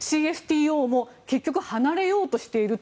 ＣＳＴＯも結局離れようとしている。